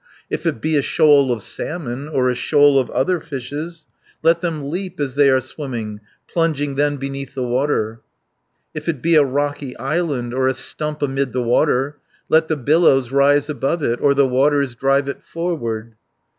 70 "If it be a shoal of salmon, Or a shoal of other fishes, Let them leap as they are swimming, Plunging then beneath the water. "If it be a rocky island, Or a stump amid the water, Let the billows rise above it, Or the waters drive it forward."